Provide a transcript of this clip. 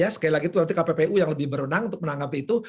sekali lagi itu nanti kppu yang lebih berwenang untuk menanggapi itu